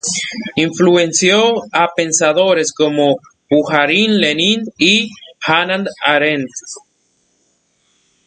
Influenció a pensadores como Bujarin, Lenin y Hannah Arendt.